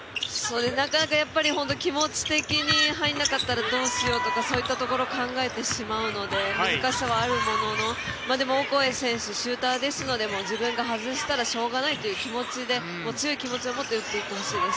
なかなか、気持ち的に入らなかったらどうしようとかそういったところ考えてしまうので難しさはあるものの、でも、オコエ選手、シューターですので、自分が外したらしょうがないという気持ちで強い気持ちを持って打っていってほしいです。